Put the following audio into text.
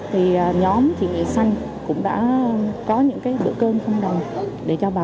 thì nhóm chị nghị xanh cũng đã có những bữa cơm không đầy